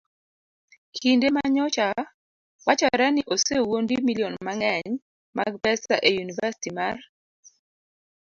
Kinde ma nyocha wachore ni osewuondi milion mang'eny mag pesa e yunivasiti mar